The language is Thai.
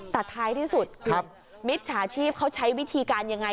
ตัดท้ายที่สุดมิตรสาชีพเขาใช้วิธีการอย่างไร